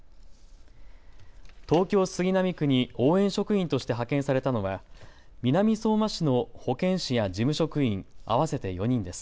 東京杉並区に応援職員として派遣されたのは南相馬市の保健師や事務職員合わせて４人です。